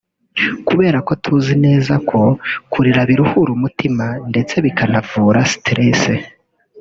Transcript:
Kubera ko tuzi neza ko kurira biruhura umutima ndetse bikanavura stress